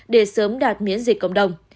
để sớm đạt miễn dịch cộng đồng